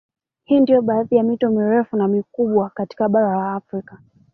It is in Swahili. Hii ndio baadhi ya mito mirefu na mikubwa katika Bara la Afrika